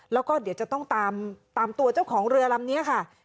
แล้วก็เดี๋ยวจะต้องตามตัวเจ้าของเรือลำนี้ค่ะ